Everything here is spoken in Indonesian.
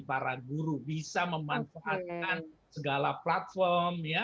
para guru bisa memanfaatkan segala platform